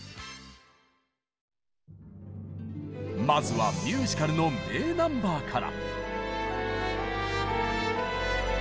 まずはミュージカルの名ナンバーから！